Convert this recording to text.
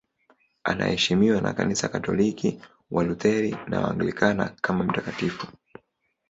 Anaheshimiwa na Kanisa Katoliki, Walutheri na Waanglikana kama mtakatifu.